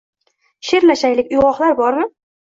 Sheʼrlashaylik, Uygʼoqlar bormi?